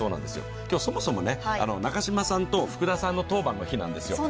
今日そもそも中島さんと福田さんの当番の日なんですよ。